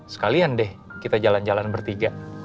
sekalian deh kita jalan jalan bertiga